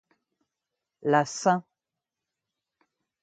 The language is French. La St.